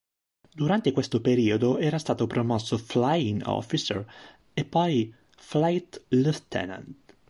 Durante questo periodo era stato promosso flying officer, e poi flight lieutenant.